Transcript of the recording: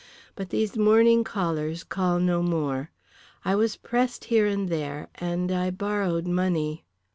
But these morning callers call no more. I was pressed here and there, and I borrowed money."